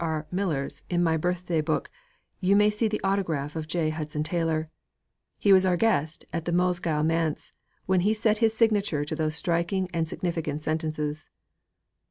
R. Miller's in my Birthday Book, you may see the autograph of J. Hudson Taylor. He was our guest at the Mosgiel Manse when he set his signature to those striking and significant sentences.